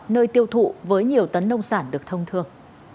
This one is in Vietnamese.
nơi tiêu thụ với nhiều tấn nông sản được thông thường